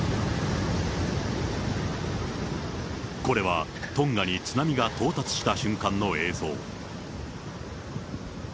これはトンガに津波が到達した瞬間の映像。